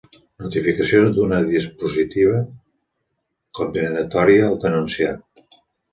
Notificació d'una dispositiva condemnatòria al denunciat.